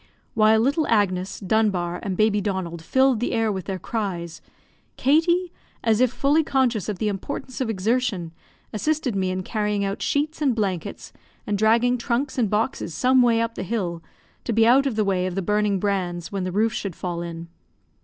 While little Agnes, Dunbar, and baby Donald filled the air with their cries, Katie, as if fully conscious of the importance of exertion, assisted me in carrying out sheets and blankets, and dragging trunks and boxes some way up the hill, to be out of the way of the burning brands when the roof should fall in.